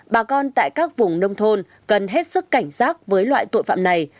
bà con tại các vùng nông thôn cần hết sức cảnh giác với loại tội phạm này